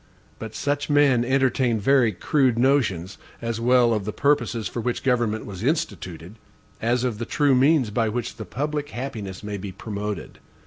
But such men entertain very crude notions, as well of the purposes for which government was instituted, as of the true means by which the public happiness may be promoted.